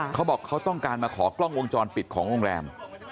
เขาบอกเขาต้องการมาขอกล้องวงจรปิดของโรงแรม